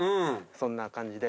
そんな感じで。